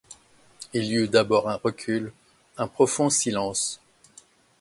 Il y eut d'abord un recul, un profond silence.